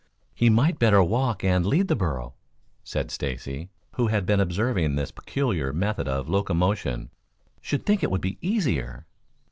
"He might better walk and lead the burro," said Stacy, who had been observing their peculiar method of locomotion. "Should think it would be easier."